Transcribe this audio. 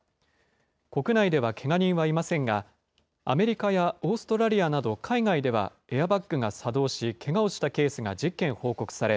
国内ではけが人はいませんが、アメリカやオーストラリアなど海外では、エアバッグが作動し、けがをしたケースが１０件報告され、